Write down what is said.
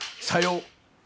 さよう。